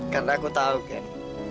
karena aku tahu ken